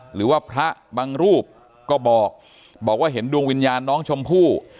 หรือว่าพระบางรูปก็บอกบอกว่าเห็นดวงวิญญาณน้องชมพู่